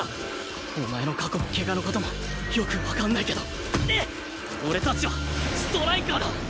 お前の過去も怪我の事もよくわかんないけど俺たちはストライカーだ！